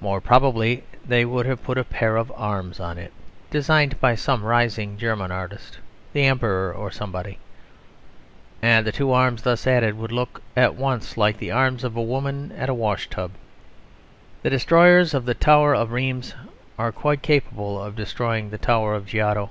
More probably they would have put a pair of arms on it, designed by some rising German artist the Emperor or somebody. And the two arms thus added would look at once like the arms of a woman at a wash tub. The destroyers of the tower of Rheims are quite capable of destroying the Tower of Giotto.